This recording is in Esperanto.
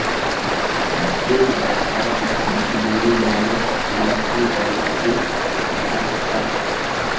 Degas havis konsiderindan influon ĉe Cassatt.